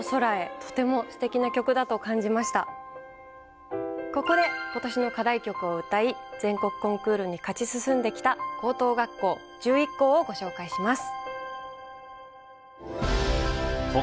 私もここで今年の課題曲を歌い全国コンクールに勝ち進んできた高等学校１１校をご紹介します。